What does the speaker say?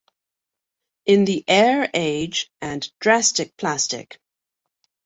In The Air Age" and "Drastic Plastic".